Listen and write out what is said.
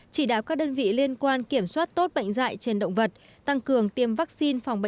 chỉ đạo các đơn vị liên quan kiểm soát tốt bệnh dạy trên động vật tăng cường tiêm vaccine phòng